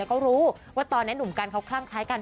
เขารู้ว่าตอนนี้หนุ่มกันเขาคลั่งคล้ายกัน